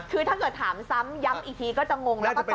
คือถ้าเกิดถามซ้ำย้ำอีกทีก็จะงงแล้วก็ตอบ